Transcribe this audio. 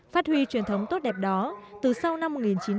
phát huy truyền thống tốt đẹp đó từ sau năm một nghìn chín trăm bảy mươi